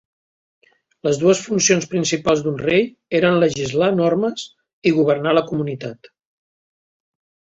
Les dues funcions principals d'un rei eren legislar normes i governar la comunitat.